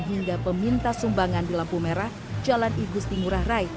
hingga peminta sumbangan di lampu merah jalan igusti ngurah rai